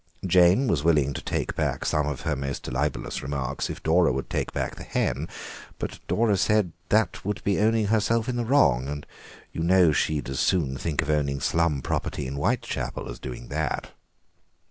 Jane was willing to take back some of her most libellous remarks if Dora would take back the hen, but Dora said that would be owning herself in the wrong, and you know she'd as soon think of owning slum property in Whitechapel as do that."